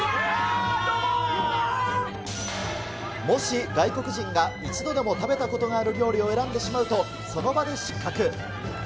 もし外国人が１度でも食べたことがある料理を選んでしまうと、その場で失格。